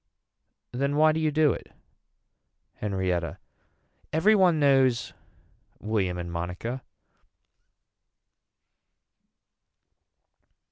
Then why do you do it. Henrietta. Every one knows William and Monica.